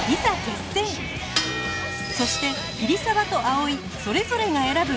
そして桐沢と葵それぞれが選ぶ未来は？